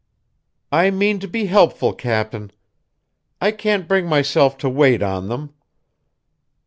I mean to be helpful, Cap'n. I can't bring myself to wait on them.